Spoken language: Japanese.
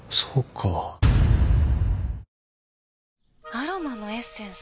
アロマのエッセンス？